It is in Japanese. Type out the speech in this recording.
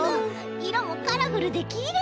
いろもカラフルでキレイ！